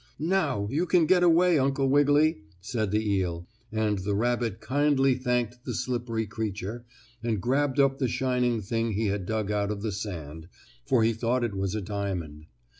"Now, you can get away, Uncle Wiggily," said the eel, and the rabbit kindly thanked the slippery creature, and grabbed up the shining thing he had dug out of the sand, for he thought it was a diamond.